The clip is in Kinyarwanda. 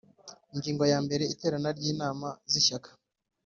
Ingingo ya mbere Iterana ry inama z Ishyaka